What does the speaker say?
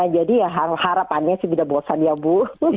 jadi ya harapannya sih sudah bosan ya bu